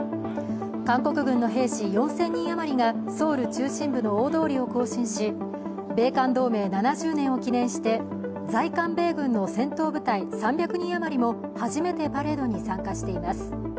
韓国軍の兵士４０００人余りがソウル中心部の大通りを行進し米韓同盟７０年を記念して、在韓米軍の戦闘部隊３００人あまりも、初めてパレードに参加しています。